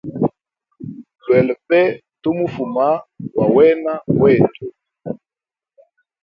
Lwela pe tu mufuma wa wena wetu.